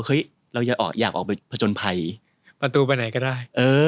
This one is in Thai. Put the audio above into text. เฮ้ยเราอยากออกไปผจญภัย